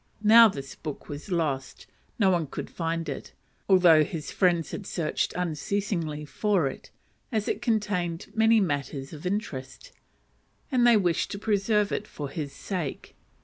Now this book was lost: no one could find it; although his friends had searched unceasingly for it, as it contained many matters of interest, and they wished to preserve it for his sake.